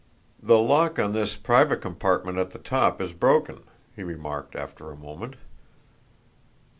"The lock on this private compartment at the top is broken," he remarked after a moment.